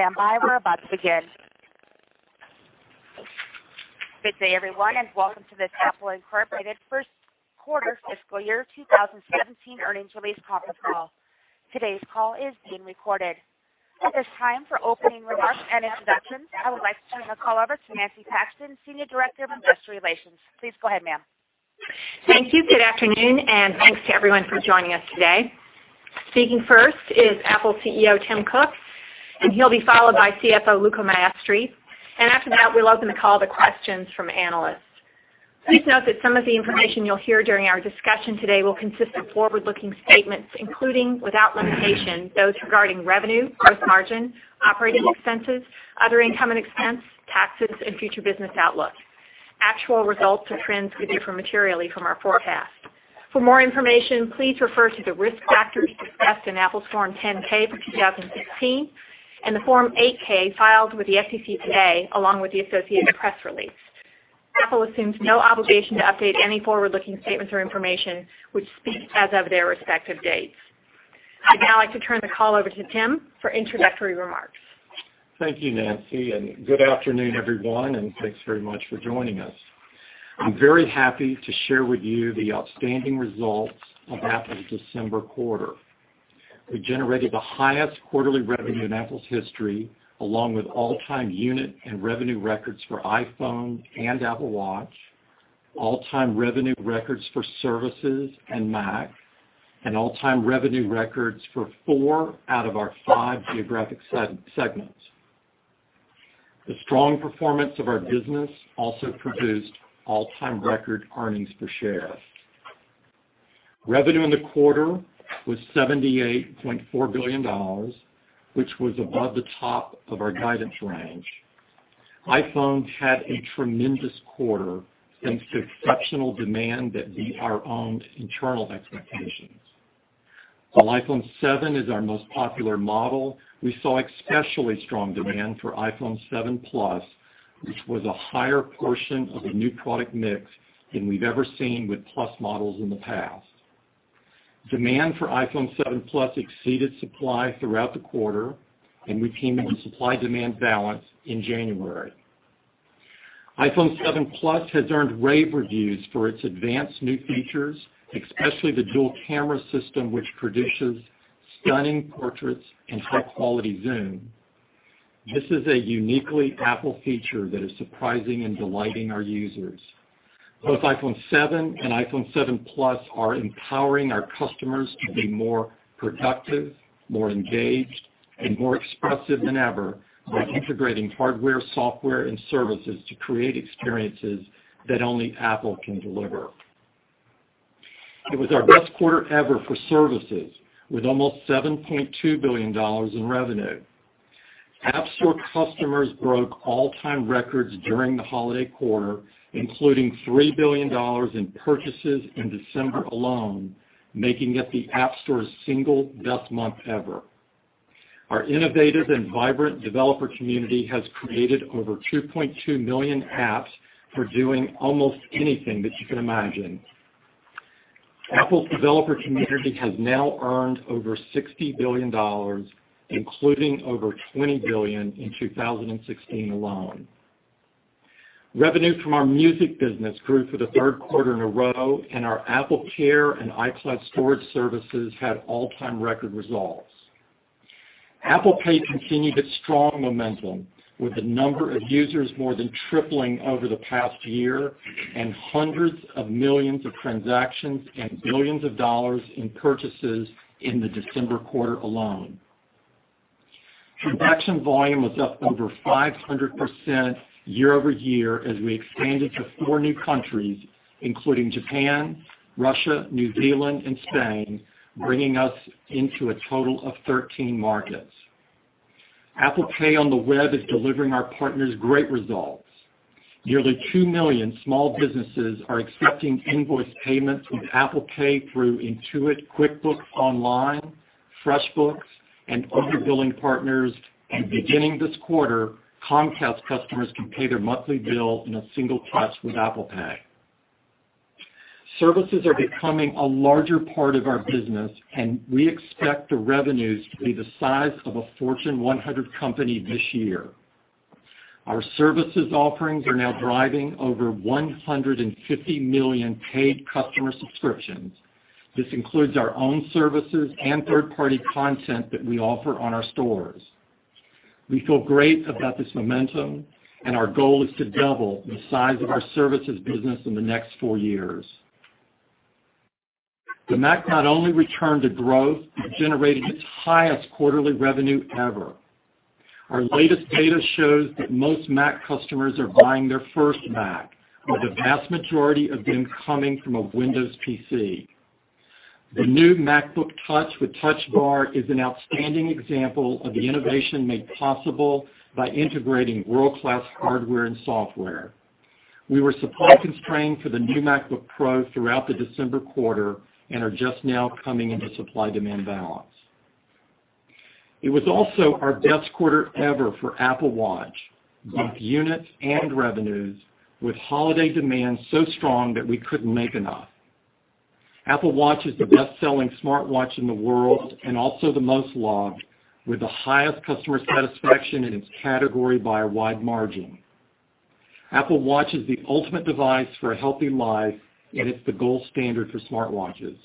Standby. We're about to begin. Good day, everyone, and welcome to the Apple Inc. first quarter fiscal year 2017 earnings release conference call. Today's call is being recorded. At this time for opening remarks and introductions, I would like to turn the call over to Nancy Paxton, Senior Director of Investor Relations. Please go ahead, ma'am. Thank you. Good afternoon, and thanks to everyone for joining us today. Speaking first is Apple CEO, Tim Cook, and he'll be followed by CFO, Luca Maestri, and after that, we'll open the call to questions from analysts. Please note that some of the information you'll hear during our discussion today will consist of forward-looking statements, including, without limitation, those regarding revenue, gross margin, operating expenses, other income and expense, taxes, and future business outlook. Actual results or trends could differ materially from our forecast. For more information, please refer to the risk factors discussed in Apple's Form 10-K for 2016 and the Form 8-K filed with the SEC today, along with the associated press release. Apple assumes no obligation to update any forward-looking statements or information, which speak as of their respective dates. I'd now like to turn the call over to Tim for introductory remarks. Thank you, Nancy, and good afternoon, everyone, and thanks very much for joining us. I'm very happy to share with you the outstanding results of Apple's December quarter. We generated the highest quarterly revenue in Apple's history, along with all-time unit and revenue records for iPhone and Apple Watch, all-time revenue records for services and Mac, and all-time revenue records for four out of our five geographic segments. The strong performance of our business also produced all-time record earnings per share. Revenue in the quarter was $78.4 billion, which was above the top of our guidance range. iPhone had a tremendous quarter, thanks to exceptional demand that beat our own internal expectations. While iPhone 7 is our most popular model, we saw especially strong demand for iPhone 7 Plus, which was a higher portion of the new product mix than we've ever seen with Plus models in the past. Demand for iPhone 7 Plus exceeded supply throughout the quarter, and we came into supply-demand balance in January. iPhone 7 Plus has earned rave reviews for its advanced new features, especially the dual camera system which produces stunning portraits and high-quality zoom. This is a uniquely Apple feature that is surprising and delighting our users. It was our best quarter ever for services, with almost $7.2 billion in revenue. App Store customers broke all-time records during the holiday quarter, including $3 billion in purchases in December alone, making it the App Store's single best month ever. Our innovative and vibrant developer community has created over 2.2 million apps for doing almost anything that you can imagine. Apple's developer community has now earned over $60 billion, including over $20 billion in 2016 alone. Revenue from our music business grew for the third quarter in a row, and our AppleCare and iCloud storage services had all-time record results. Apple Pay continued its strong momentum with the number of users more than tripling over the past year and hundreds of millions of transactions and billions of dollars in purchases in the December quarter alone. Transaction volume was up over 500% year-over-year as we expanded to four new countries, including Japan, Russia, New Zealand, and Spain, bringing us into a total of 13 markets. Apple Pay on the web is delivering our partners great results. Nearly 2 million small businesses are accepting invoice payments with Apple Pay through Intuit QuickBooks Online, FreshBooks, and other billing partners. Beginning this quarter, Comcast customers can pay their monthly bill in a single touch with Apple Pay. Services are becoming a larger part of our business, and we expect the revenues to be the size of a Fortune 100 company this year. Our services offerings are now driving over 150 million paid customer subscriptions. This includes our own services and third-party content that we offer on our stores. We feel great about this momentum, and our goal is to double the size of our services business in the next four years. The Mac not only returned to growth but generated its highest quarterly revenue ever. Our latest data shows that most Mac customers are buying their first Mac, with the vast majority of them coming from a Windows PC. The new MacBook Pro with Touch Bar is an outstanding example of the innovation made possible by integrating world-class hardware and software. We were supply constrained for the new MacBook Pro throughout the December quarter and are just now coming into supply-demand balance. It was also our best quarter ever for Apple Watch, both units and revenues, with holiday demand so strong that we couldn't make enough Apple Watch is the best-selling smartwatch in the world and also the most logged, with the highest customer satisfaction in its category by a wide margin. Apple Watch is the ultimate device for a healthy life, and it's the gold standard for smartwatches.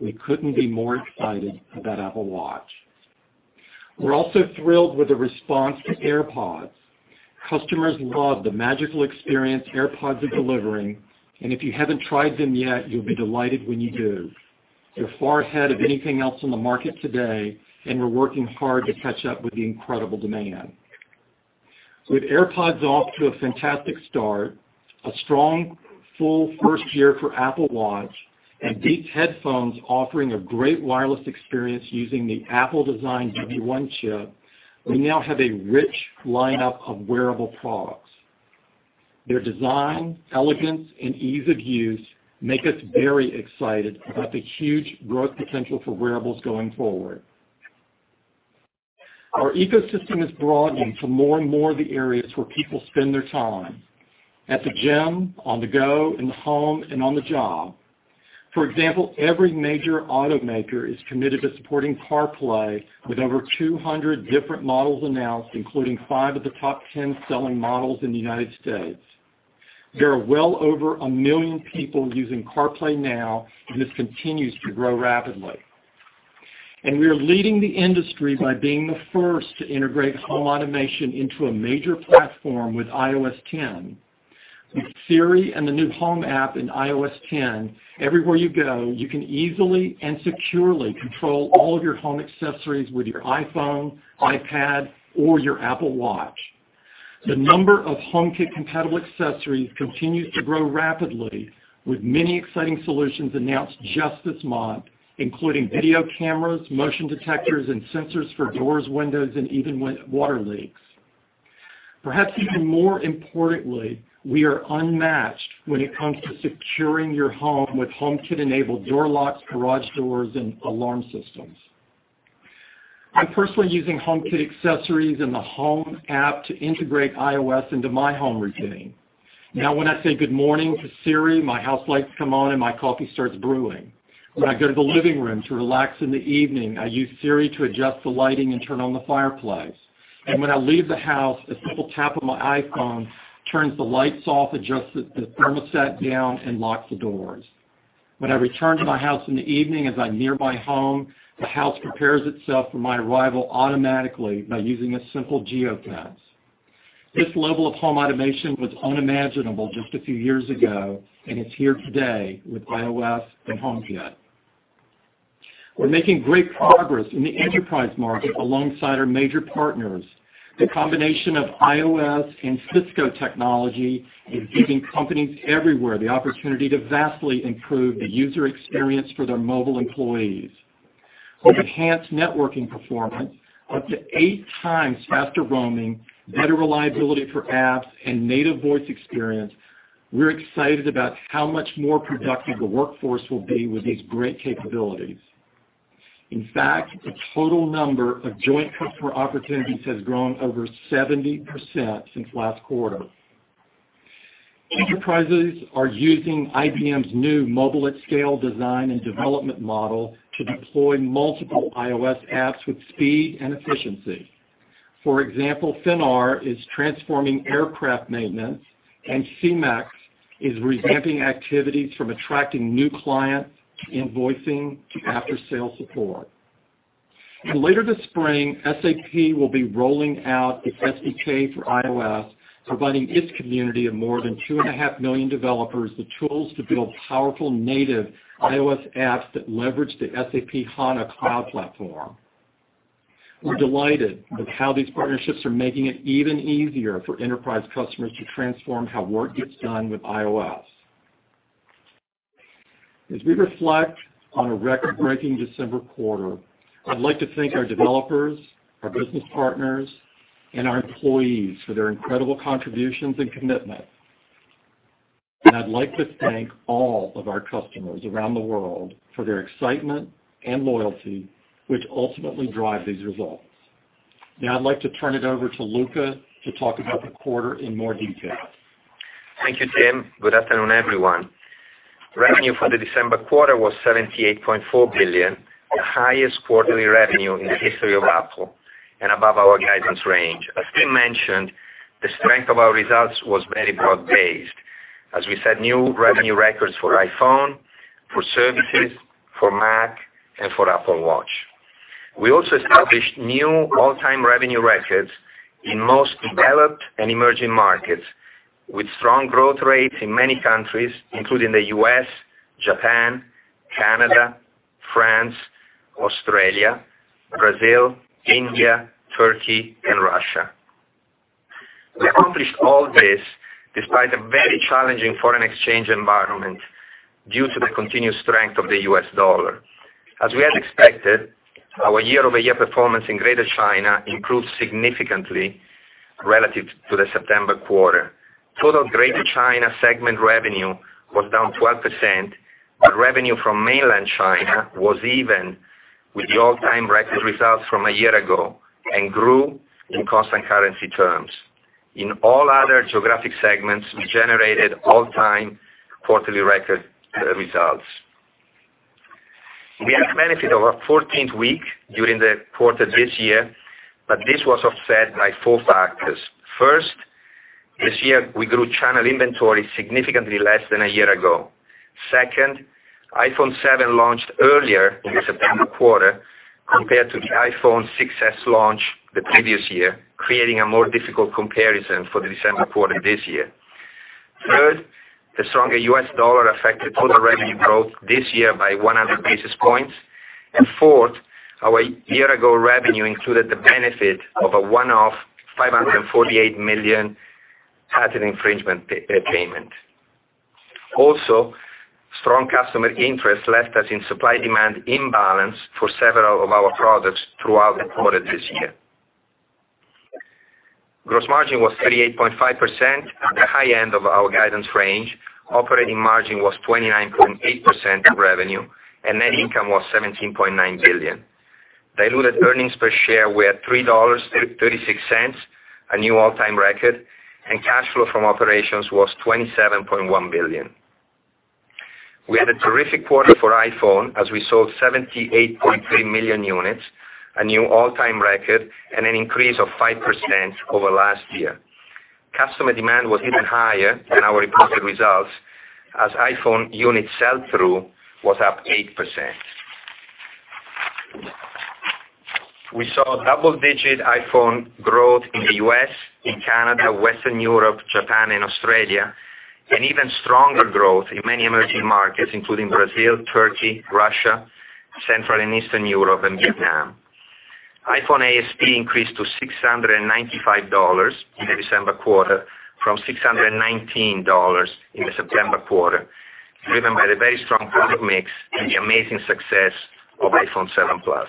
We couldn't be more excited about Apple Watch. We're also thrilled with the response to AirPods. Customers love the magical experience AirPods are delivering. If you haven't tried them yet, you'll be delighted when you do. They're far ahead of anything else on the market today. We're working hard to catch up with the incredible demand. With AirPods off to a fantastic start, a strong full first year for Apple Watch, and Beats headphones offering a great wireless experience using the Apple-designed W1 chip, we now have a rich lineup of wearable products. Their design, elegance, and ease of use make us very excited about the huge growth potential for wearables going forward. Our ecosystem is broadening to more and more of the areas where people spend their time: at the gym, on the go, in the home, and on the job. For example, every major automaker is committed to supporting CarPlay, with over 200 different models announced, including five of the top 10 selling models in the U.S. There are well over 1 million people using CarPlay now, this continues to grow rapidly. We are leading the industry by being the first to integrate home automation into a major platform with iOS 10. With Siri and the new Home app in iOS 10, everywhere you go, you can easily and securely control all of your home accessories with your iPhone, iPad, or your Apple Watch. The number of HomeKit-compatible accessories continues to grow rapidly, with many exciting solutions announced just this month, including video cameras, motion detectors, and sensors for doors, windows, and even water leaks. Perhaps even more importantly, we are unmatched when it comes to securing your home with HomeKit-enabled door locks, garage doors, and alarm systems. I'm personally using HomeKit accessories and the Home app to integrate iOS into my home routine. Now when I say good morning to Siri, my house lights come on, and my coffee starts brewing. When I go to the living room to relax in the evening, I use Siri to adjust the lighting and turn on the fireplace. When I leave the house, a simple tap of my iPhone turns the lights off, adjusts the thermostat down, and locks the doors. When I return to my house in the evening, as I near my home, the house prepares itself for my arrival automatically by using a simple geo-fence. This level of home automation was unimaginable just a few years ago, it's here today with iOS and HomeKit. We're making great progress in the enterprise market alongside our major partners. The combination of iOS and Cisco technology is giving companies everywhere the opportunity to vastly improve the user experience for their mobile employees. With enhanced networking performance, up to eight times faster roaming, better reliability for apps, and native voice experience, we're excited about how much more productive the workforce will be with these great capabilities. In fact, the total number of joint customer opportunities has grown over 70% since last quarter. Enterprises are using IBM's new Mobile at Scale design and development model to deploy multiple iOS apps with speed and efficiency. For example, Finnair is transforming aircraft maintenance, and CEMEX is revamping activities from attracting new clients, invoicing, to after-sale support. Later this spring, SAP will be rolling out its SDK for iOS, providing its community of more than two and a half million developers the tools to build powerful native iOS apps that leverage the SAP HANA cloud platform. We're delighted with how these partnerships are making it even easier for enterprise customers to transform how work gets done with iOS. We reflect on a record-breaking December quarter, I'd like to thank our developers, our business partners, and our employees for their incredible contributions and commitment, I'd like to thank all of our customers around the world for their excitement and loyalty, which ultimately drive these results. I'd like to turn it over to Luca to talk about the quarter in more detail. Thank you, Tim. Good afternoon, everyone. Revenue for the December quarter was $78.4 billion, the highest quarterly revenue in the history of Apple and above our guidance range. As Tim mentioned, the strength of our results was very broad-based, as we set new revenue records for iPhone, for services, for Mac, and for Apple Watch. We also established new all-time revenue records in most developed and emerging markets, with strong growth rates in many countries, including the U.S., Japan, Canada, France, Australia, Brazil, India, Turkey, and Russia. We accomplished all this despite a very challenging foreign exchange environment due to the continued strength of the U.S. dollar. As we had expected, our year-over-year performance in Greater China improved significantly relative to the September quarter. Total Greater China segment revenue was down 12%. Revenue from mainland China was even with the all-time record results from a year ago and grew in constant currency terms. In all other geographic segments, we generated all-time quarterly record results. We had the benefit of a 14th week during the quarter this year, but this was offset by four factors. First, this year, we grew channel inventory significantly less than a year ago. Second, iPhone 7 launched earlier in the September quarter compared to the iPhone 6s launch the previous year, creating a more difficult comparison for the December quarter this year. Third, the stronger U.S. dollar affected total revenue growth this year by 100 basis points. Fourth, our year-ago revenue included the benefit of a one-off $548 million patent infringement payment. Also, strong customer interest left us in supply-demand imbalance for several of our products throughout the quarter this year. Gross margin was 38.5%, at the high end of our guidance range. Operating margin was 29.8% of revenue, and net income was $17.9 billion. Diluted earnings per share were $3.36, a new all-time record, and cash flow from operations was $27.1 billion. We had a terrific quarter for iPhone, as we sold 78.3 million units, a new all-time record, and an increase of 5% over last year. Customer demand was even higher than our reported results, as iPhone unit sell-through was up 8%. We saw double-digit iPhone growth in the U.S., in Canada, Western Europe, Japan, and Australia, and even stronger growth in many emerging markets, including Brazil, Turkey, Russia, Central and Eastern Europe, and Vietnam. iPhone ASP increased to $695 in the December quarter from $619 in the September quarter, driven by the very strong product mix and the amazing success of iPhone 7 Plus.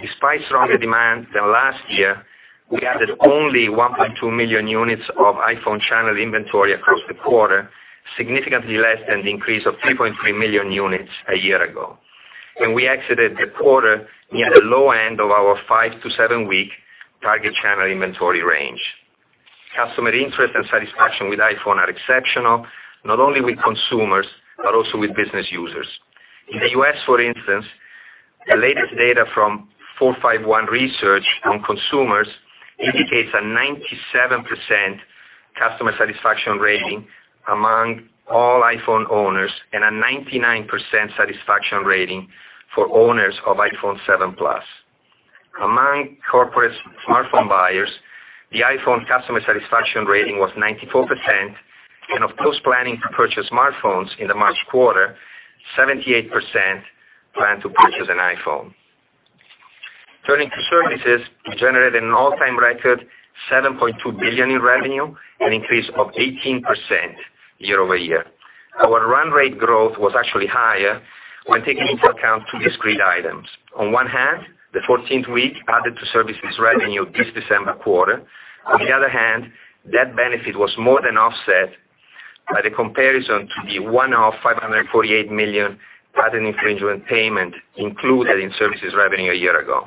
Despite stronger demand than last year, we added only 1.2 million units of iPhone channel inventory across the quarter, significantly less than the increase of 3.3 million units a year ago. We exited the quarter near the low end of our five- to seven-week target channel inventory range. Customer interest and satisfaction with iPhone are exceptional, not only with consumers, but also with business users. In the U.S., for instance, the latest data from 451 Research on consumers indicates a 97% customer satisfaction rating among all iPhone owners and a 99% satisfaction rating for owners of iPhone 7 Plus. Among corporate smartphone buyers, the iPhone customer satisfaction rating was 94%, and of those planning to purchase smartphones in the March quarter, 78% plan to purchase an iPhone. Turning to services, we generated an all-time record $7.2 billion in revenue, an increase of 18% year-over-year. Our run rate growth was actually higher when taking into account two discrete items. On one hand, the 14th week added to services revenue this December quarter. On the other hand, that benefit was more than offset by the comparison to the one-off $548 million patent infringement payment included in services revenue a year ago.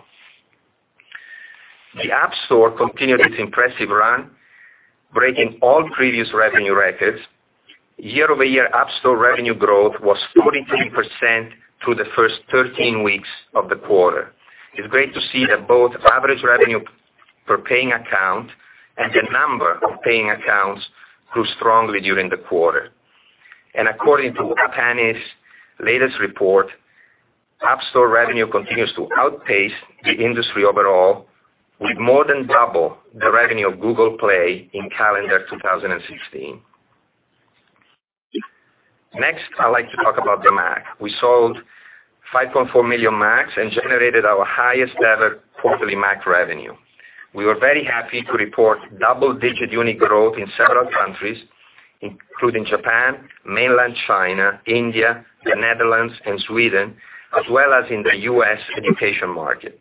The App Store continued its impressive run, breaking all previous revenue records. Year-over-year App Store revenue growth was 43% through the first 13 weeks of the quarter. It's great to see that both average revenue per paying account and the number of paying accounts grew strongly during the quarter. According to App Annie's latest report, App Store revenue continues to outpace the industry overall, with more than double the revenue of Google Play in calendar 2016. Next, I'd like to talk about the Mac. We sold 5.4 million Macs and generated our highest-ever quarterly Mac revenue. We were very happy to report double-digit unit growth in several countries, including Japan, Mainland China, India, the Netherlands, and Sweden, as well as in the U.S. education market.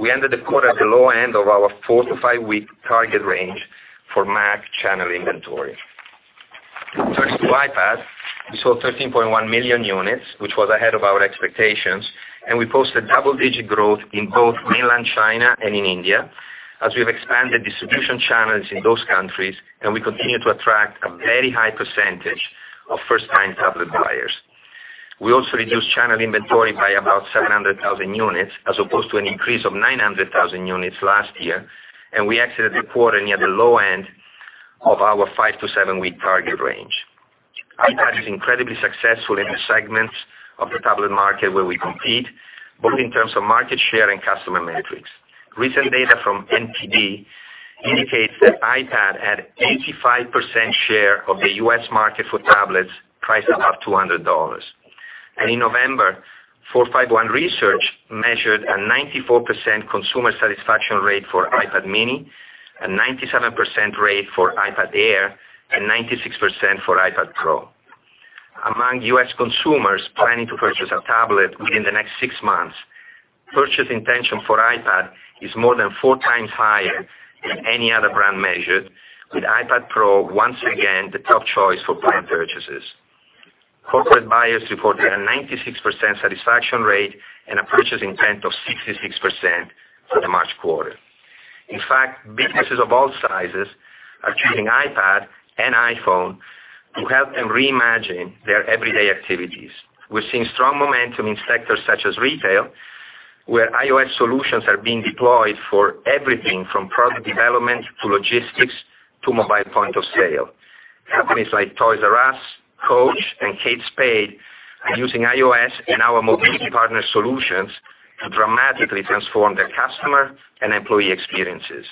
We ended the quarter at the low end of our four- to five-week target range for Mac channel inventory. Turning to iPad, we sold 13.1 million units, which was ahead of our expectations. We posted double-digit growth in both Mainland China and in India, as we have expanded distribution channels in those countries. We continue to attract a very high percentage of first-time tablet buyers. We also reduced channel inventory by about 700,000 units, as opposed to an increase of 900,000 units last year. We exited the quarter near the low end of our five- to seven-week target range. iPad is incredibly successful in the segments of the tablet market where we compete, both in terms of market share and customer metrics. Recent data from NPD indicates that iPad had 85% share of the U.S. market for tablets priced above $200. In November, 451 Research measured a 94% consumer satisfaction rate for iPad mini, a 97% rate for iPad Air, and 96% for iPad Pro. Among U.S. consumers planning to purchase a tablet within the next six months, purchase intention for iPad is more than four times higher than any other brand measured, with iPad Pro once again the top choice for planned purchases. Corporate buyers reported a 96% satisfaction rate and a purchasing intent of 66% for the March quarter. In fact, businesses of all sizes are choosing iPad and iPhone to help them reimagine their everyday activities. We're seeing strong momentum in sectors such as retail, where iOS solutions are being deployed for everything from product development to logistics to mobile point of sale. Companies like Toys R Us, Coach, and Kate Spade are using iOS and our mobility partner solutions to dramatically transform their customer and employee experiences.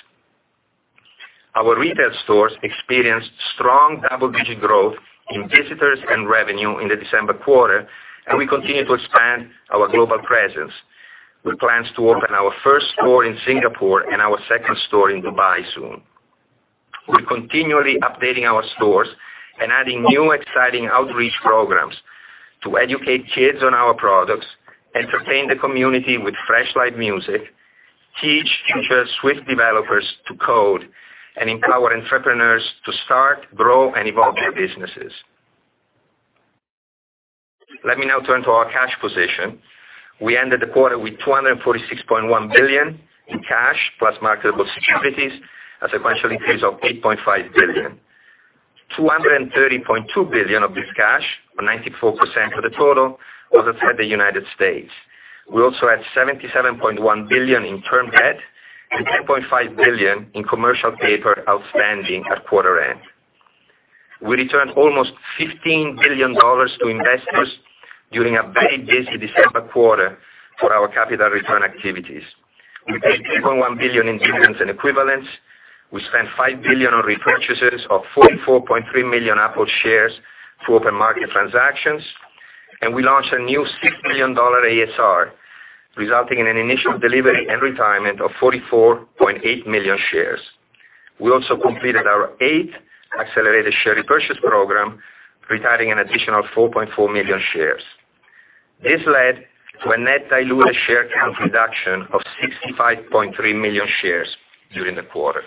Our retail stores experienced strong double-digit growth in visitors and revenue in the December quarter. We continue to expand our global presence with plans to open our first store in Singapore and our second store in Dubai soon. We're continually updating our stores and adding new, exciting outreach programs to educate kids on our products, entertain the community with fresh live music, teach future Swift developers to code, and empower entrepreneurs to start, grow, and evolve their businesses. Let me now turn to our cash position. We ended the quarter with $246.1 billion in cash plus marketable securities, a sequential increase of $8.5 billion. $230.2 billion of this cash, or 94% of the total, was outside the U.S. We also had $77.1 billion in term debt and $10.5 billion in commercial paper outstanding at quarter end. We returned almost $15 billion to investors during a very busy December quarter for our capital return activities. We paid $3.1 billion in dividends and equivalents. We spent $5 billion on repurchases of 44.3 million Apple shares through open market transactions. We launched a new $6 billion ASR, resulting in an initial delivery and retirement of 44.8 million shares. We also completed our eighth accelerated share repurchase program, retiring an additional 4.4 million shares. This led to a net dilutive share count reduction of 65.3 million shares during the quarter.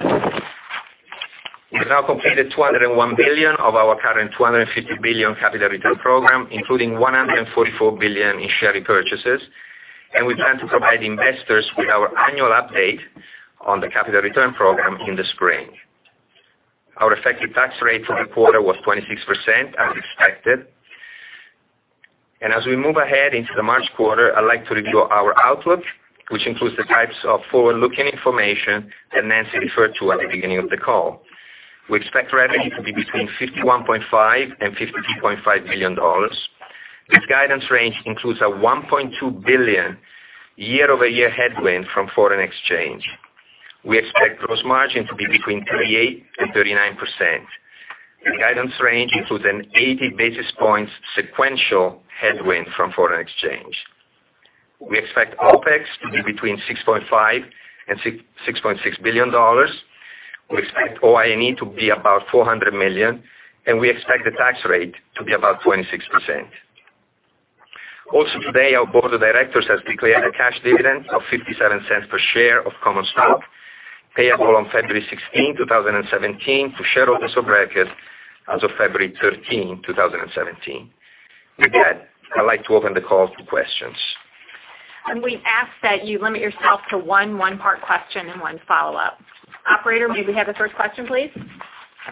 We have now completed $201 billion of our current $250 billion capital return program, including $144 billion in share repurchases. We plan to provide investors with our annual update on the capital return program in the spring. Our effective tax rate for the quarter was 26%, as expected. As we move ahead into the March quarter, I'd like to review our outlook, which includes the types of forward-looking information that Nancy referred to at the beginning of the call. We expect revenue to be between $51.5 billion-$52.5 billion. This guidance range includes a $1.2 billion year-over-year headwind from foreign exchange. We expect gross margin to be between 38%-39%. The guidance range includes an 80 basis points sequential headwind from foreign exchange. We expect OPEX to be between $6.5 billion-$6.6 billion. We expect OIE to be about $400 million. We expect the tax rate to be about 26%. Also today, our board of directors has declared a cash dividend of $0.57 per share of common stock, payable on February 16, 2017, to shareholders of record as of February 13, 2017. With that, I'd like to open the call to questions. We ask that you limit yourself to one one-part question and one follow-up. Operator, may we have the first question, please?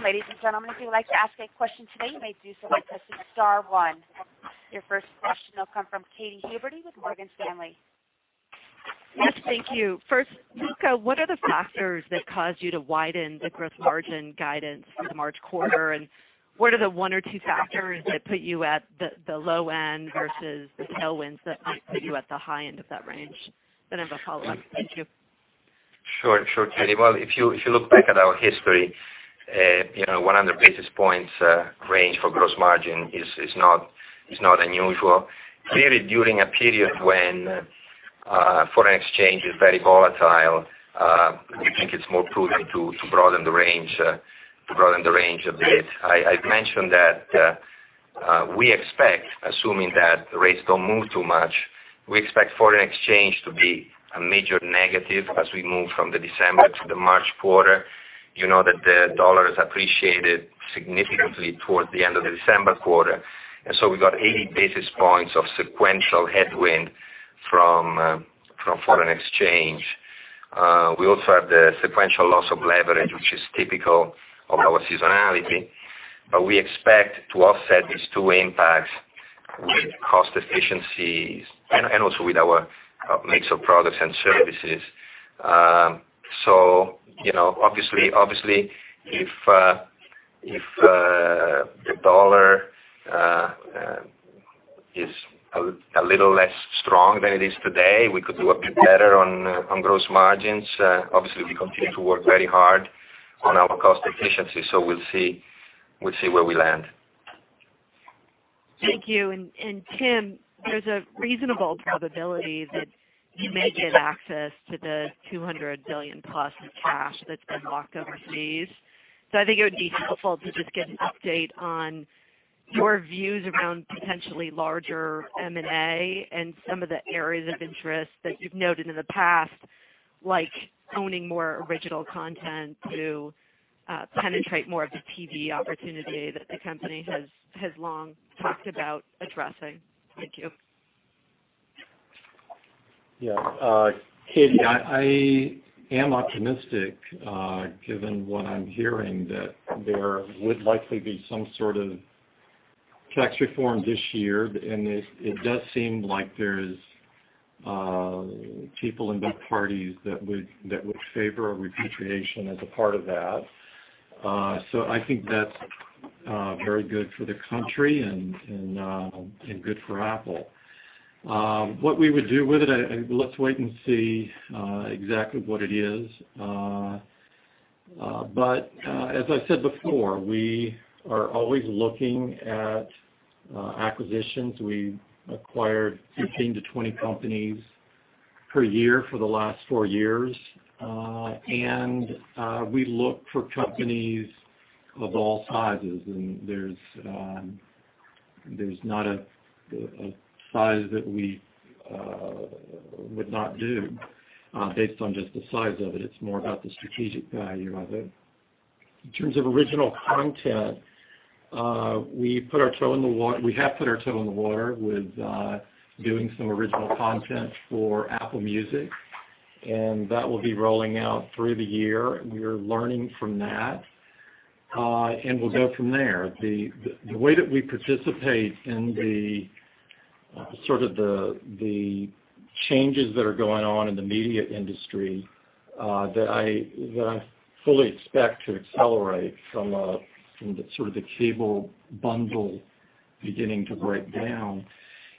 Ladies and gentlemen, if you'd like to ask a question today, you may do so by pressing star one. Your first question will come from Katy Huberty with Morgan Stanley. Yes, thank you. First, Luca, what are the factors that caused you to widen the gross margin guidance for the March quarter, and what are the one or two factors that put you at the low end versus the tailwinds that might put you at the high end of that range? I have a follow-up. Thank you. Sure, Katy. Well, if you look back at our history, 100 basis points range for gross margin is not unusual. Clearly, during a period when foreign exchange is very volatile, we think it's more prudent to broaden the range a bit. I've mentioned that we expect, assuming that the rates don't move too much, we expect foreign exchange to be a major negative as we move from the December to the March quarter. You know that the dollar has appreciated significantly towards the end of the December quarter, we got 80 basis points of sequential headwind from foreign exchange. We also have the sequential loss of leverage, which is typical of our seasonality. We expect to offset these two impacts with cost efficiencies and also with our mix of products and services. Obviously, if the dollar is a little less strong than it is today, we could do a bit better on gross margins. Obviously, we continue to work very hard on our cost efficiency, we'll see where we land. Thank you. Tim, there's a reasonable probability that you may get access to the $200 billion-plus in cash that's been locked overseas. I think it would be helpful to just get an update on your views around potentially larger M&A and some of the areas of interest that you've noted in the past Like owning more original content to penetrate more of the TV opportunity that the company has long talked about addressing. Thank you. Yeah. Katy, I am optimistic, given what I'm hearing, that there would likely be some sort of tax reform this year, and it does seem like there's people in both parties that would favor a repatriation as a part of that. I think that's very good for the country and good for Apple. What we would do with it, let's wait and see exactly what it is. As I said before, we are always looking at acquisitions. We acquired 15-20 companies per year for the last four years. We look for companies of all sizes, and there's not a size that we would not do based on just the size of it. It's more about the strategic value of it. In terms of original content, we have put our toe in the water with doing some original content for Apple Music, and that will be rolling out through the year. We're learning from that. We'll go from there. The way that we participate in the changes that are going on in the media industry that I fully expect to accelerate from the cable bundle beginning to break down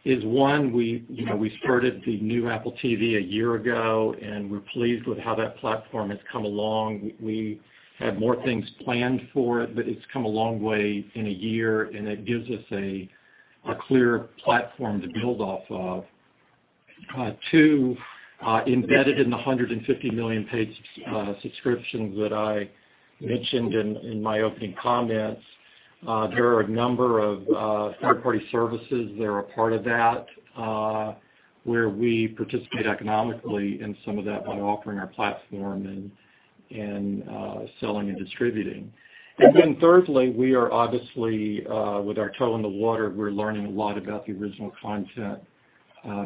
is, one, we started the new Apple TV a year ago, and we're pleased with how that platform has come along. We have more things planned for it, but it's come a long way in a year, and it gives us a clear platform to build off of. Two, embedded in the $150 million paid subscriptions that I mentioned in my opening comments, there are a number of third-party services that are a part of that, where we participate economically in some of that by offering our platform and selling and distributing. Thirdly, we are obviously, with our toe in the water, we're learning a lot about the original content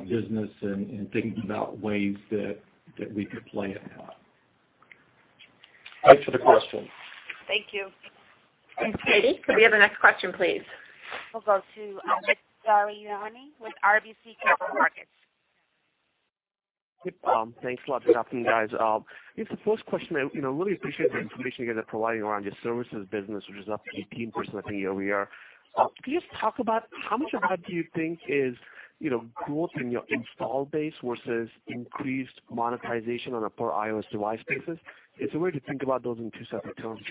business and thinking about ways that we could play in that. Thanks for the question. Thank you. Thanks, Katy. Could we have the next question, please? We'll go to Amit Daryanani with RBC Capital Markets. Yep. Thanks a lot. Good afternoon, guys. I guess the first question, I really appreciate the information you guys are providing around your services business, which is up 18% I think year-over-year. Could you just talk about how much of that do you think is growth in your install base versus increased monetization on a per iOS device basis? Is there a way to think about those in two separate terms?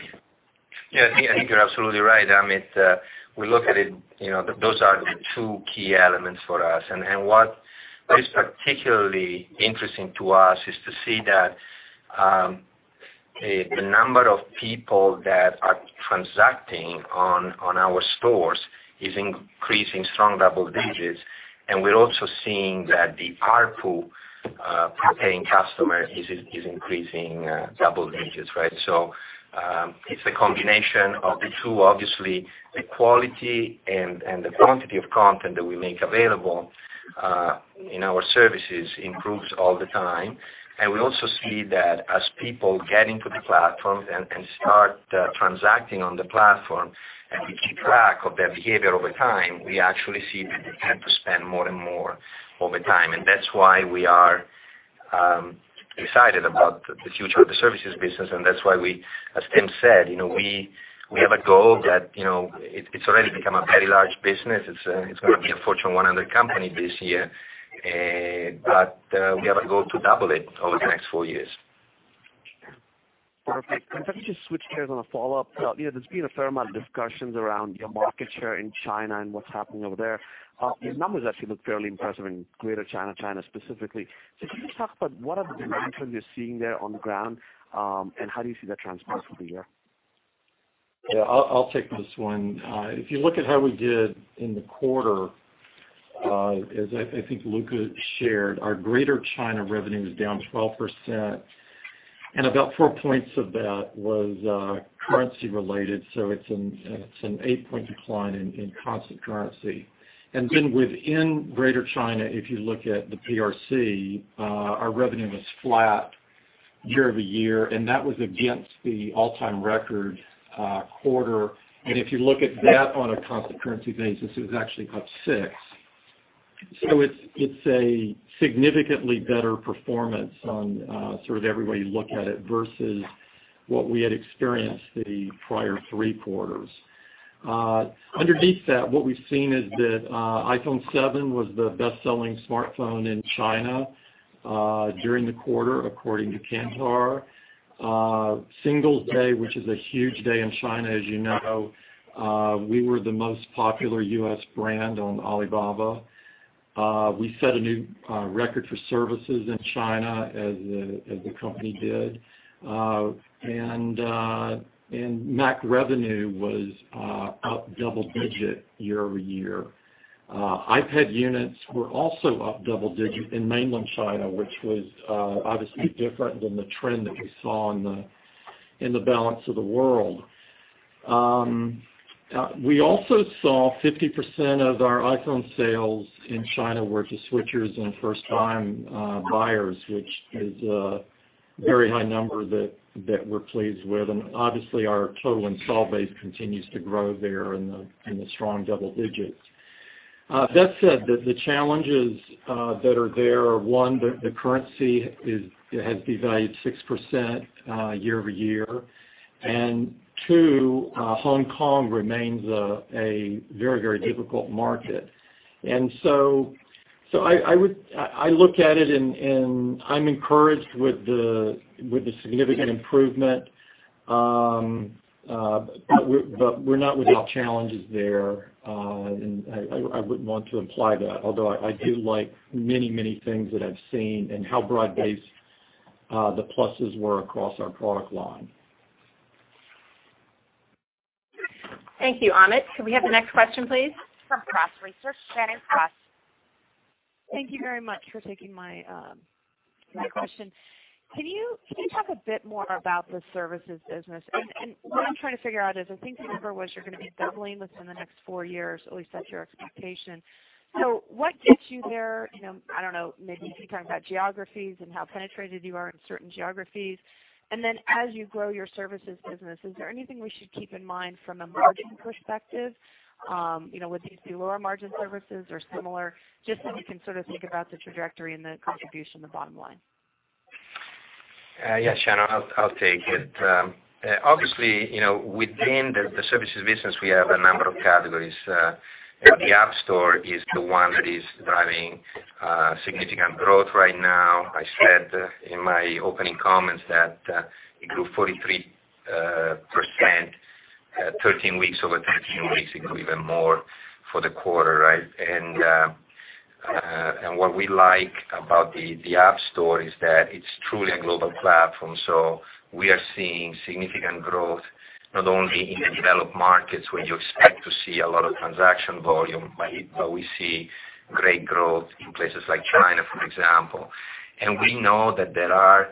I think you're absolutely right. We look at it, those are the two key elements for us. What is particularly interesting to us is to see that the number of people that are transacting on our stores is increasing strong double digits. We're also seeing that the ARPU per paying customer is increasing double digits, right? It's a combination of the two. Obviously, the quality and the quantity of content that we make available in our services improves all the time. We also see that as people get into the platforms and start transacting on the platform, and we keep track of their behavior over time, we actually see that they tend to spend more and more over time. That's why we are excited about the future of the services business, and that's why we, as Tim said, we have a goal that it's already become a very large business. It's going to be a Fortune 100 company this year, but we have a goal to double it over the next four years. Perfect. Can I just switch gears on a follow-up? There's been a fair amount of discussions around your market share in China and what's happening over there. Your numbers actually look fairly impressive in Greater China specifically. Can you just talk about what are the dimensions you're seeing there on the ground, and how do you see that transferring over the year? I'll take this one. If you look at how we did in the quarter, as I think Luca shared, our Greater China revenue was down 12%, and about four points of that was currency related. It's an eight-point decline in constant currency. Within Greater China, if you look at the PRC, our revenue was flat year-over-year, and that was against the all-time record quarter. If you look at that on a constant currency basis, it was actually up six. It's a significantly better performance on sort of every way you look at it versus what we had experienced the prior three quarters. Underneath that, what we've seen is that iPhone 7 was the best-selling smartphone in China during the quarter, according to Kantar. Singles' Day, which is a huge day in China, as you know, we were the most popular U.S. brand on Alibaba. We set a new record for services in China as the company did. Mac revenue was up double digit year-over-year. iPad units were also up double digit in mainland China, which was obviously different than the trend that you saw in the balance of the world. We also saw 50% of our iPhone sales in China were to switchers and first-time buyers, which is a very high number that we're pleased with. Obviously, our total install base continues to grow there in the strong double digits. That said, the challenges that are there are, one, the currency has devalued 6% year-over-year, and two, Hong Kong remains a very difficult market. I look at it, and I'm encouraged with the significant improvement, but we're not without challenges there. I wouldn't want to imply that, although I do like many things that I've seen and how broad-based the pluses were across our product line. Thank you, Amit. Can we have the next question, please? From Cross Research, Shannon Cross. Thank you very much for taking my question. You're welcome. Can you talk a bit more about the services business? What I'm trying to figure out is, I think, Tim Cook, you're going to be doubling this in the next four years, or at least that's your expectation. What gets you there? I don't know, maybe can you talk about geographies and how penetrated you are in certain geographies? Then as you grow your services business, is there anything we should keep in mind from a margin perspective? Would these be lower margin services or similar? So we can sort of think about the trajectory and the contribution to the bottom line. Yes, Shannon, I'll take it. Obviously, within the services business, we have a number of categories. The App Store is the one that is driving significant growth right now. I said in my opening comments that it grew 43%, 13 weeks over 13 weeks, it grew even more for the quarter, right? What we like about the App Store is that it's truly a global platform. We are seeing significant growth not only in the developed markets where you expect to see a lot of transaction volume, but we see great growth in places like China, for example. We know that there are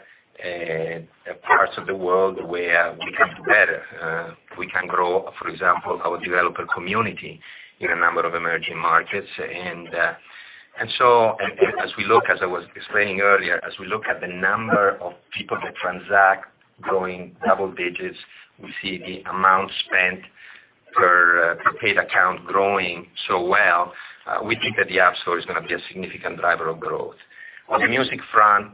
parts of the world where we can do better. We can grow, for example, our developer community in a number of emerging markets. As I was explaining earlier, as we look at the number of people that transact growing double digits, we see the amount spent per paid account growing so well, we think that the App Store is going to be a significant driver of growth. On the music front,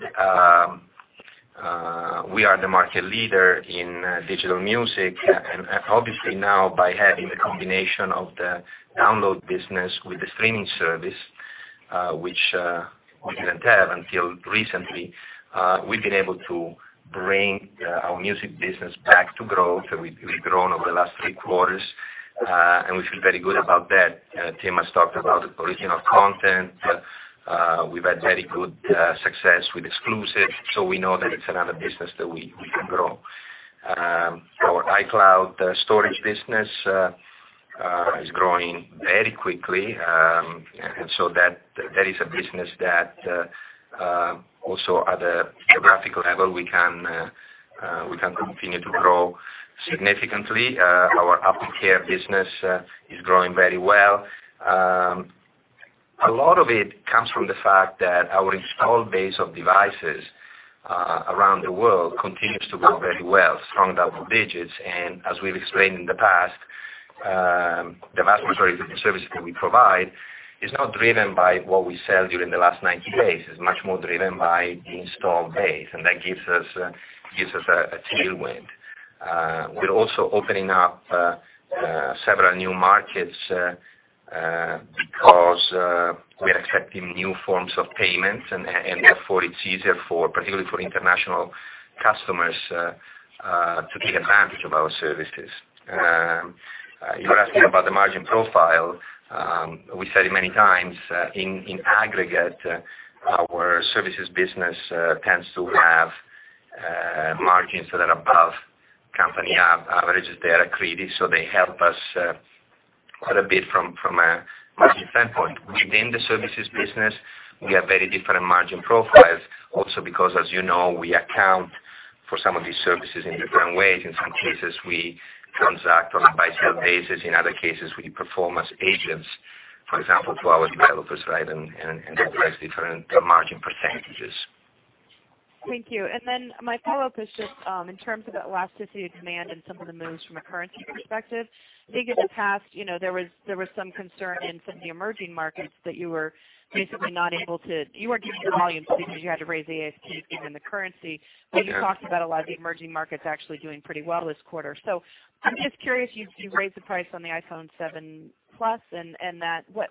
we are the market leader in digital music, and obviously now by having the combination of the download business with the streaming service, which we didn't have until recently, we've been able to bring our music business back to growth, and we've grown over the last three quarters, and we feel very good about that. Tim has talked about original content. We've had very good success with exclusive, we know that it's another business that we can grow. Our iCloud storage business is growing very quickly, that is a business that also at a geographic level, we can continue to grow significantly. Our AppleCare business is growing very well. A lot of it comes from the fact that our install base of devices around the world continues to grow very well, strong double digits. As we've explained in the past, the vast majority of the services that we provide is not driven by what we sell during the last 90 days. It's much more driven by the install base, that gives us a tailwind. We're also opening up several new markets because we are accepting new forms of payments, therefore it's easier particularly for international customers to take advantage of our services. You asked me about the margin profile. We said it many times, in aggregate, our services business tends to have margins that are above company averages. They are accretive, they help us quite a bit from a margin standpoint. Within the services business, we have very different margin profiles also because as you know, we account for some of these services in different ways. In some cases, we transact on a buy-sell basis. In other cases, we perform as agents, for example, for our developers, that drives different margin percentages. Thank you. My follow-up is just in terms of elasticity of demand and some of the moves from a currency perspective, I think in the past, there was some concern in some of the emerging markets that you were basically not able to, you weren't getting the volumes because you had to raise the ASP given the currency. You talked about a lot of the emerging markets actually doing pretty well this quarter. I'm just curious, you raised the price on the iPhone 7 Plus,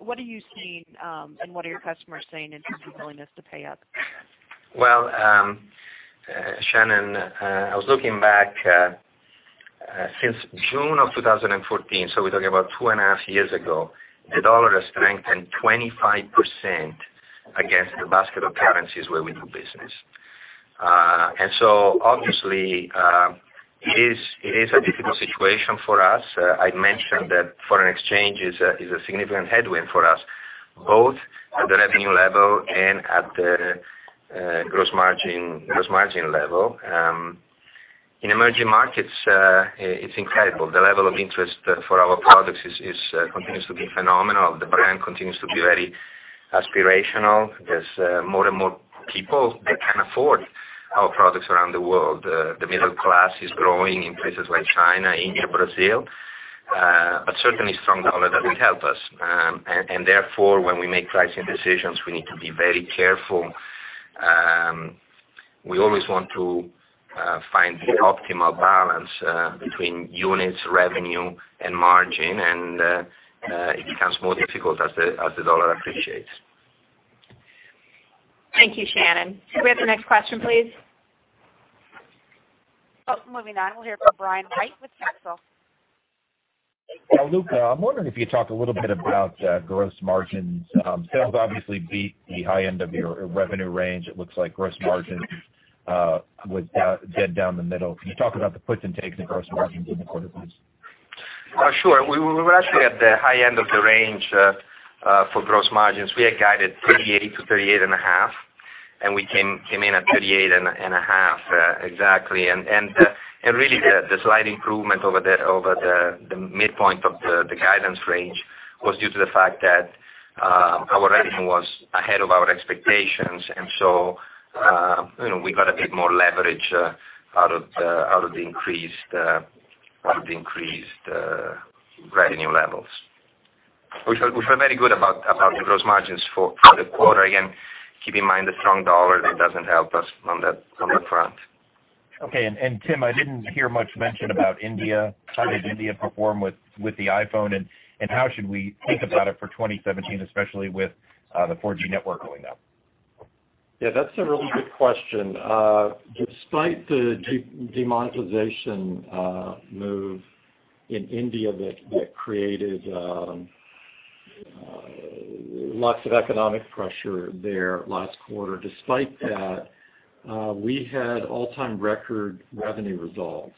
what are you seeing, and what are your customers saying in terms of willingness to pay up? Well, Shannon, I was looking back, since June of 2014, so we're talking about two and a half years ago, the dollar has strengthened 25% against the basket of currencies where we do business. Obviously, it is a difficult situation for us. I mentioned that foreign exchange is a significant headwind for us. Both at the revenue level and at the gross margin level. In emerging markets, it's incredible. The level of interest for our products continues to be phenomenal. The brand continues to be very aspirational. There's more and more people that can afford our products around the world. The middle class is growing in places like China, India, Brazil. Certainly strong dollar doesn't help us. Therefore, when we make pricing decisions, we need to be very careful. We always want to find the optimal balance between units, revenue, and margin, and it becomes more difficult as the dollar appreciates. Thank you, Shannon. Could we have the next question, please? Moving on, we'll hear from Brian White with Cantor. Luca, I'm wondering if you'd talk a little bit about gross margins. Sales obviously beat the high end of your revenue range. It looks like gross margin was dead down the middle. Can you talk about the puts and takes in gross margins in the quarter, please? Sure. We were actually at the high end of the range for gross margins. We had guided 38%-38.5%, and we came in at 38.5% exactly. Really, the slight improvement over the midpoint of the guidance range was due to the fact that our revenue was ahead of our expectations. We got a bit more leverage out of the increased revenue levels. We feel very good about the gross margins for the quarter. Again, keep in mind the strong dollar, that doesn't help us on that front. Okay. Tim, I didn't hear much mention about India. How did India perform with the iPhone, and how should we think about it for 2017, especially with the 4G network rolling out? Yeah, that's a really good question. Despite the demonetization move in India that created lots of economic pressure there last quarter, despite that, we had all-time record revenue results.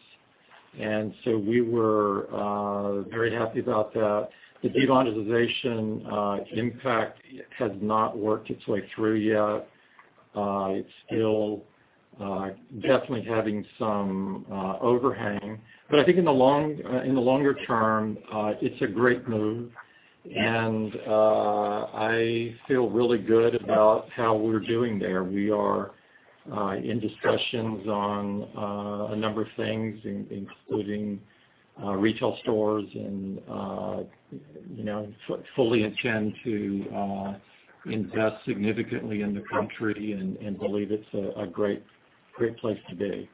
We were very happy about that. The demonetization impact has not worked its way through yet. It's still definitely having some overhang. I think in the longer term, it's a great move, and I feel really good about how we're doing there. We are in discussions on a number of things, including retail stores, and fully intend to invest significantly in the country and believe it's a great place to be.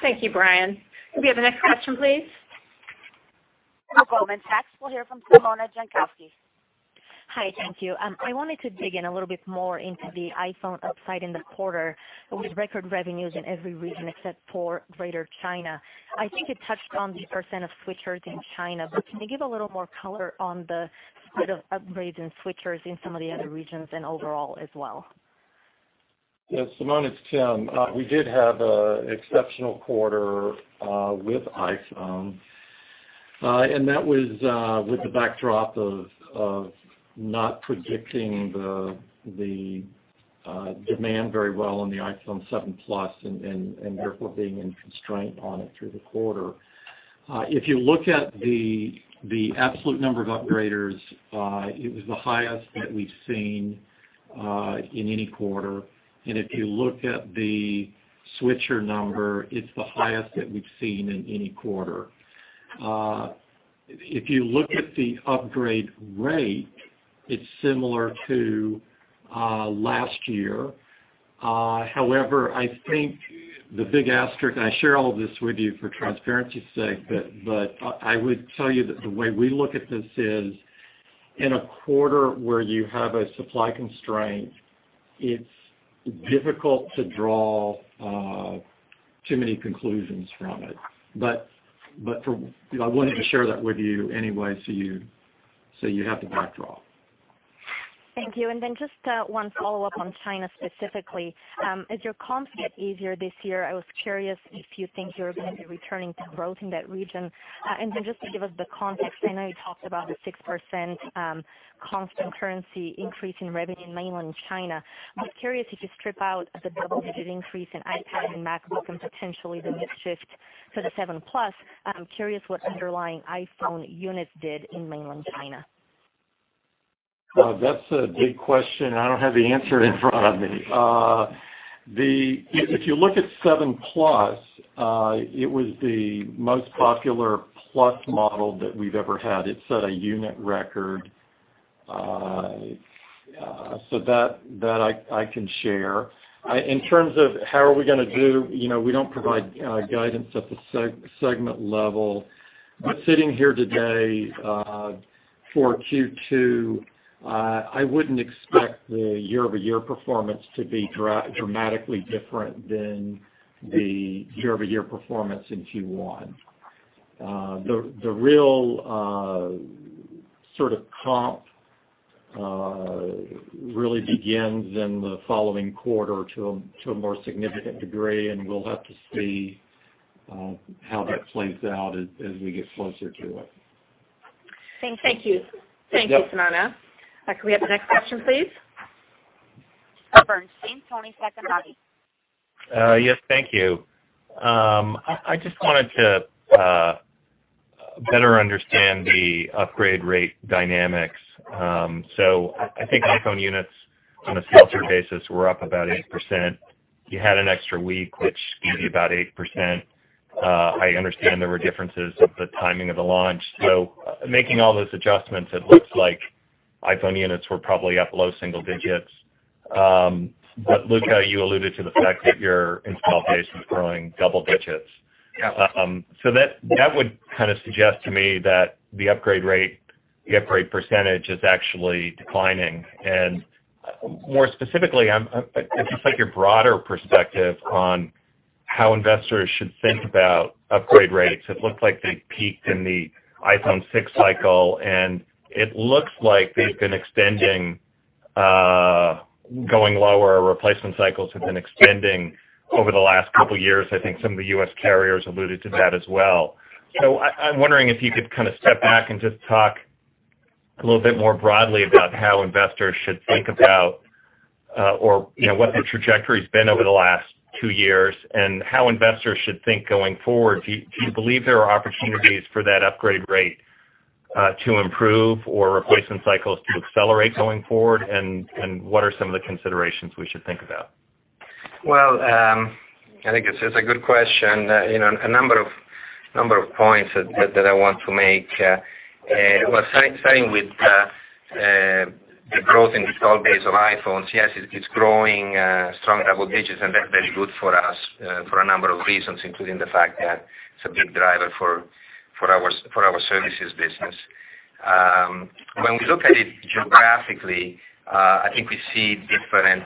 Thank you, Brian. Could we have the next question, please? From Goldman Sachs, we'll hear from Simona Jankowski. Hi, thank you. I wanted to dig in a little bit more into the iPhone upside in the quarter with record revenues in every region except for Greater China. I think you touched on the % of switchers in China, but can you give a little more color on the split of upgrades and switchers in some of the other regions and overall as well? Yeah, Simona, it's Tim. We did have an exceptional quarter with iPhone, and that was with the backdrop of not predicting the demand very well on the iPhone 7 Plus and therefore being in constraint on it through the quarter. If you look at the absolute number of upgraders, it was the highest that we've seen in any quarter. If you look at the switcher number, it's the highest that we've seen in any quarter. If you look at the upgrade rate, it's similar to last year. However, I think the big asterisk, I share all this with you for transparency's sake, but I would tell you that the way we look at this is, in a quarter where you have a supply constraint, it's difficult to draw too many conclusions from it. I wanted to share that with you anyway, so you have the backdrop. Thank you. Just one follow-up on China specifically. As your comps get easier this year, I was curious if you think you're going to be returning to growth in that region. Just to give us the context, I know you talked about a 6% constant currency increase in revenue in Mainland China. I was curious if you strip out the double-digit increase in iPad and MacBook and potentially the mix shift to the 7 Plus, I'm curious what underlying iPhone units did in Mainland China. That's a big question. I don't have the answer in front of me. If you look at 7 Plus, it was the most popular Plus model that we've ever had. It set a unit record. That I can share. In terms of how are we gonna do, we don't provide guidance at the segment level. Sitting here today, for Q2, I wouldn't expect the year-over-year performance to be dramatically different than the year-over-year performance in Q1. The real sort of comp really begins in the following quarter to a more significant degree, and we'll have to see how that plays out as we get closer to it. Thank you. Thank you. Yep. Thank you, Simona. Can we have the next question, please? Bernstein, Toni Sacconaghi. Yes. Thank you. I just wanted to better understand the upgrade rate dynamics. I think iPhone units on a sell-through basis were up about 8%. You had an extra week, which gave you about 8%. I understand there were differences of the timing of the launch. Making all those adjustments, it looks like iPhone units were probably up low single digits. Luca, you alluded to the fact that your install base is growing double digits. Yeah. That would suggest to me that the upgrade rate percentage is actually declining. More specifically, I'd just like your broader perspective on how investors should think about upgrade rates. It looks like they peaked in the iPhone 6 cycle, it looks like they've been extending, going lower, or replacement cycles have been extending over the last couple of years. I think some of the U.S. carriers alluded to that as well. I'm wondering if you could step back and just talk a little bit more broadly about how investors should think about, or what the trajectory's been over the last two years, and how investors should think going forward. Do you believe there are opportunities for that upgrade rate to improve or replacement cycles to accelerate going forward? What are some of the considerations we should think about? I think it's a good question. A number of points that I want to make. Starting with the growth in install base of iPhones. Yes, it's growing strong double digits, and that's very good for us for a number of reasons, including the fact that it's a big driver for our Services business. When we look at it geographically, I think we see different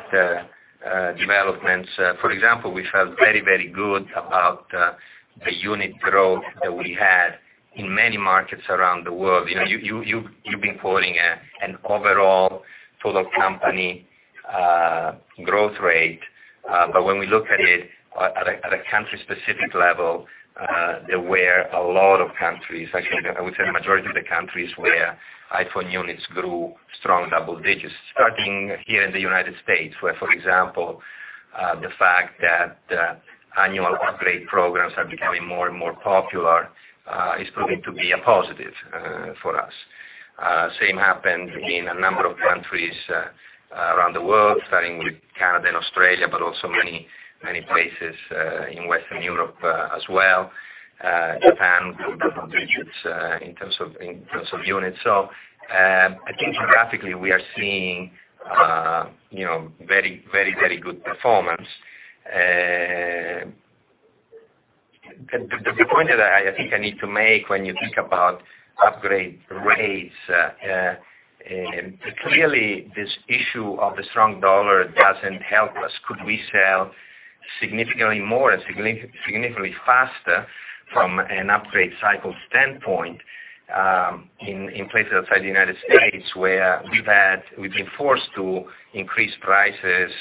developments. For example, we felt very, very good about the unit growth that we had in many markets around the world. You've been quoting an overall total company growth rate. When we look at it at a country-specific level, there were a lot of countries, actually, I would say majority of the countries, where iPhone units grew strong double digits. Starting here in the U.S., where, for example, the fact that annual upgrade programs are becoming more and more popular is proving to be a positive for us. Same happened in a number of countries around the world, starting with Canada and Australia, but also many places in Western Europe as well, Japan, double digits in terms of units. I think geographically, we are seeing very good performance. The point that I think I need to make when you think about upgrade rates, clearly this issue of the strong dollar doesn't help us. Could we sell significantly more, significantly faster from an upgrade cycle standpoint, in places outside the U.S. where we've been forced to increase prices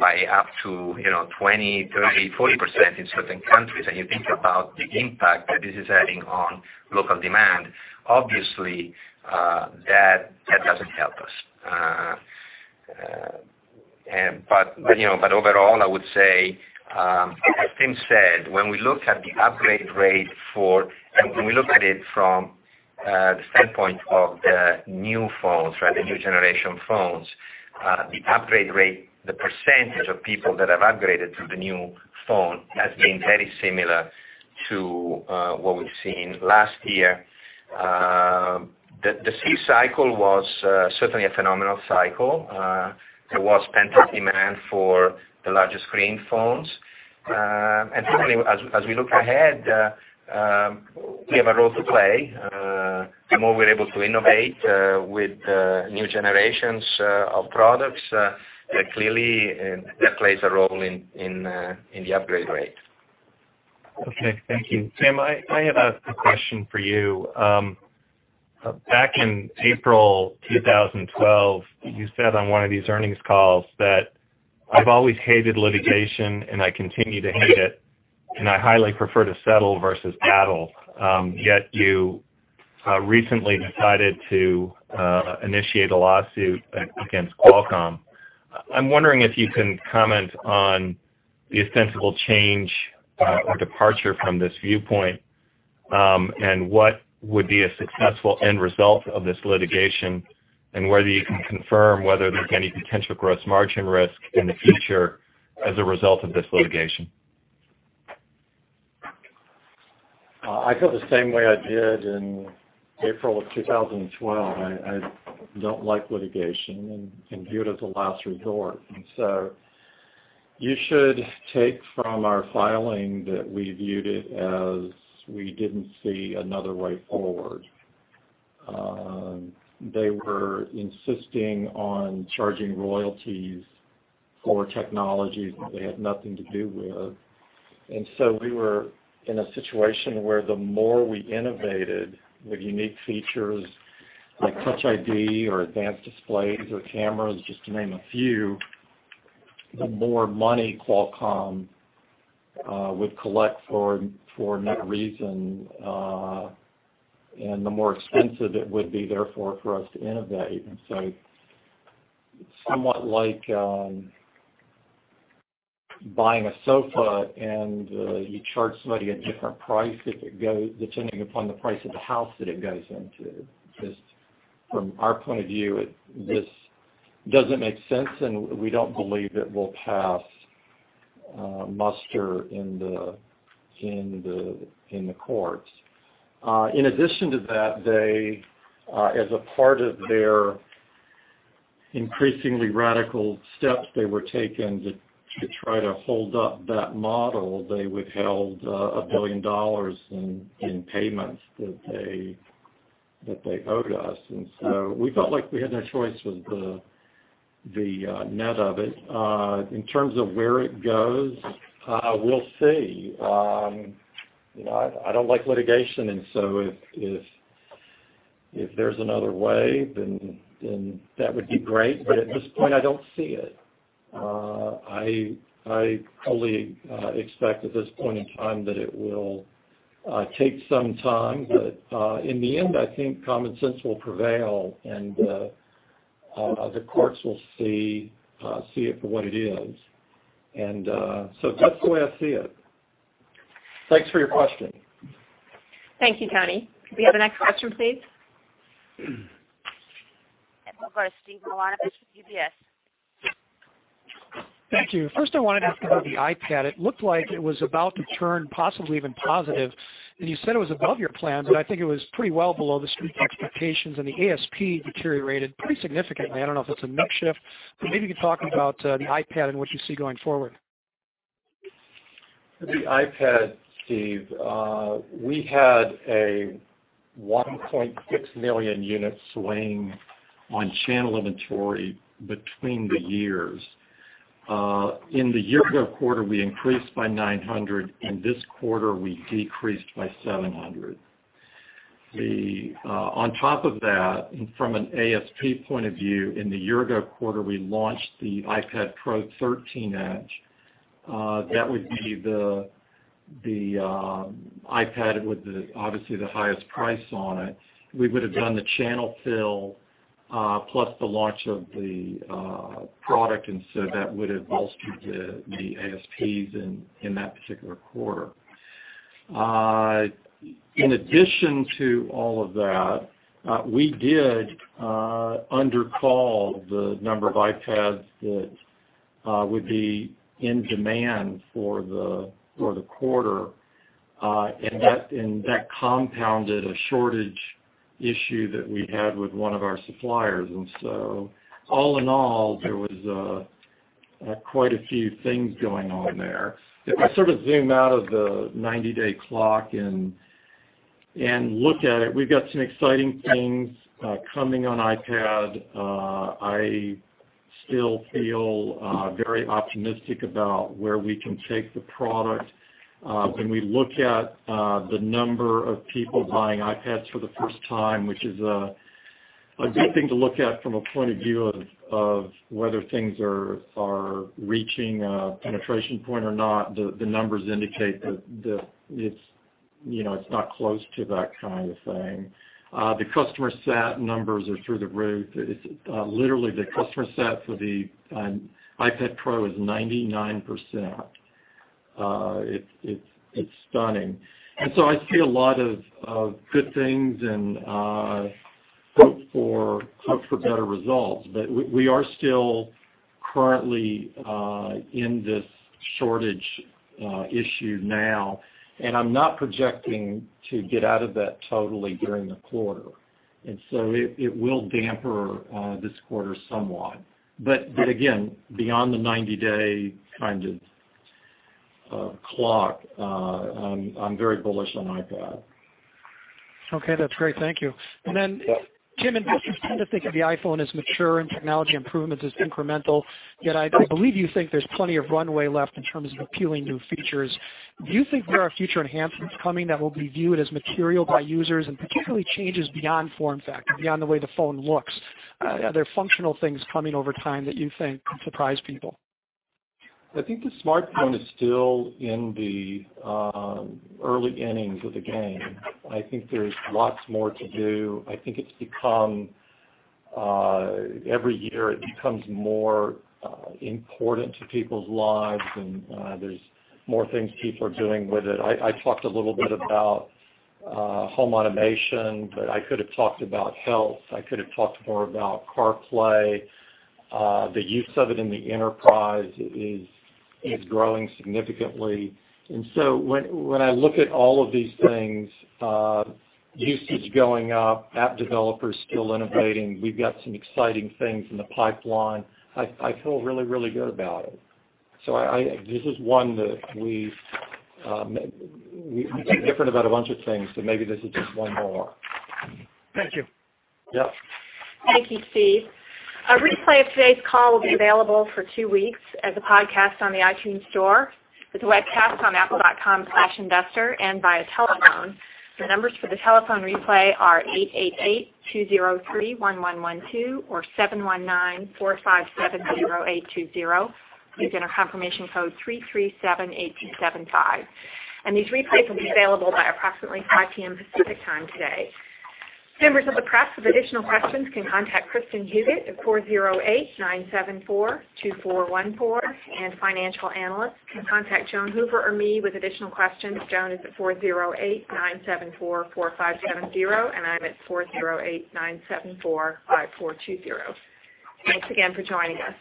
by up to 20%, 30%, 40% in certain countries. You think about the impact that this is having on local demand. Obviously, that doesn't help us. Overall, I would say, as Tim said, when we look at it from the standpoint of the new phones, the new generation phones, the upgrade rate, the percentage of people that have upgraded to the new phone has been very similar to what we've seen last year. The C cycle was certainly a phenomenal cycle. There was pent-up demand for the larger screen phones. Certainly, as we look ahead, we have a role to play. The more we're able to innovate with new generations of products, clearly that plays a role in the upgrade rate. Okay. Thank you. Tim, I have a question for you. Back in April 2012, you said on one of these earnings calls that, "I've always hated litigation, and I continue to hate it, and I highly prefer to settle versus battle." Yet you recently decided to initiate a lawsuit against Qualcomm. I'm wondering if you can comment on the ostensible change or departure from this viewpoint, and what would be a successful end result of this litigation, and whether you can confirm whether there's any potential gross margin risk in the future as a result of this litigation. I feel the same way I did in April of 2012. I don't like litigation and view it as a last resort. You should take from our filing that we viewed it as we didn't see another way forward. They were insisting on charging royalties for technologies that they had nothing to do with. We were in a situation where the more we innovated with unique features like Touch ID or advanced displays or cameras, just to name a few The more money Qualcomm would collect for that reason, and the more expensive it would be, therefore, for us to innovate. It's somewhat like buying a sofa, and you charge somebody a different price, depending upon the price of the house that it goes into. Just from our point of view, this doesn't make sense, and we don't believe it will pass muster in the courts. In addition to that, as a part of their increasingly radical steps they were taking to try to hold up that model, they withheld $1 billion in payments that they owed us. We felt like we had no choice with the net of it. In terms of where it goes, we'll see. I don't like litigation, if there's another way, then that would be great, but at this point, I don't see it. I fully expect at this point in time that it will take some time, but in the end, I think common sense will prevail, and the courts will see it for what it is. That's the way I see it. Thanks for your question. Thank you, Toni. Could we have the next question, please? We'll go to Steve Milunovich with UBS. Thank you. First, I wanted to ask about the iPad. It looked like it was about to turn possibly even positive, and you said it was above your plan, but I think it was pretty well below the Street expectations, and the ASP deteriorated pretty significantly. I don't know if that's a mix shift, maybe you could talk about the iPad and what you see going forward. The iPad, Steve, we had a 1.6 million unit swing on channel inventory between the years. In the year ago quarter, we increased by 900, and this quarter, we decreased by 700. On top of that, from an ASP point of view, in the year ago quarter, we launched the iPad Pro 12.9-inch. That would be the iPad with obviously the highest price on it. We would have done the channel fill plus the launch of the product, that would have bolstered the ASPs in that particular quarter. In addition to all of that, we did undercall the number of iPads that would be in demand for the quarter, that compounded a shortage issue that we had with one of our suppliers. All in all, there was quite a few things going on there. If I sort of zoom out of the 90-day clock and look at it, we've got some exciting things coming on iPad. I still feel very optimistic about where we can take the product. When we look at the number of people buying iPads for the first time, which is a good thing to look at from a point of view of whether things are reaching a penetration point or not, the numbers indicate that it's not close to that kind of thing. The customer sat numbers are through the roof. Literally, the customer sat for the iPad Pro is 99%. It's stunning. I see a lot of good things and hope for better results. We are still currently in this shortage issue now, and I'm not projecting to get out of that totally during the quarter. It will damper this quarter somewhat. Again, beyond the 90-day kind of clock, I'm very bullish on iPad. Okay. That's great. Thank you. Tim and Patrick tend to think of the iPhone as mature and technology improvements as incremental, yet I believe you think there's plenty of runway left in terms of appealing new features. Do you think there are future enhancements coming that will be viewed as material by users, and particularly changes beyond form factor, beyond the way the phone looks? Are there functional things coming over time that you think could surprise people? I think the smartphone is still in the early innings of the game. I think there's lots more to do. I think every year it becomes more important to people's lives, and there's more things people are doing with it. I talked a little bit about home automation, but I could have talked about health. I could have talked more about CarPlay. The use of it in the enterprise is growing significantly. When I look at all of these things, usage going up, app developers still innovating, we've got some exciting things in the pipeline, I feel really good about it. This is one that we think different about a bunch of things, so maybe this is just one more. Thank you. Yeah. Thank you, Steve. A replay of today's call will be available for two weeks as a podcast on the iTunes Store, with the webcast on apple.com/investor, and via telephone. The numbers for the telephone replay are 888-203-1112 or 719-457-0820. Please enter confirmation code 3378275. These replays will be available by approximately 5:00 P.M. Pacific Time today. Members of the press with additional questions can contact Kristin Huguet at 408-974-2414, and financial analysts can contact Joan Hoover or me with additional questions. Joan is at 408-974-4570, and I'm at 408-974-5420. Thanks again for joining us.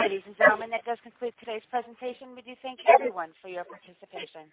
Ladies and gentlemen, that does conclude today's presentation. We do thank everyone for your participation.